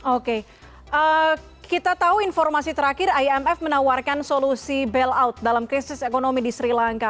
oke kita tahu informasi terakhir imf menawarkan solusi bailout dalam krisis ekonomi di sri lanka